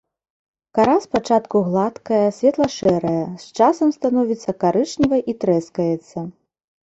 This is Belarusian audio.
Кара спачатку гладкая, светла-шэрая, з часам становіцца карычневай і трэскаецца.